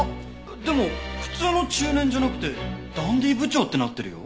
でも「普通の中年」じゃなくて「ダンディー部長」ってなってるよ。